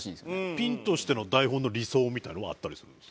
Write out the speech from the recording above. ピンとしての台本の理想みたいのはあったりするんですか？